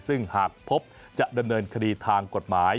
ซึ่งหากพบจะดำเนินคดีทางกฎหมาย